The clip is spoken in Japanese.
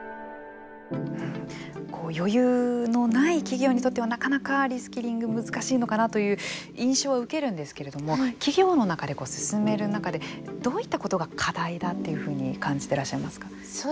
余裕のない企業にとってはなかなかリスキリング難しいのかなという印象は受けるんですけれども企業の中で進める中でどういったことが課題だというふうに感じてらっしゃいますか。